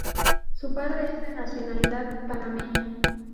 Su padre es de nacionalidad panameña.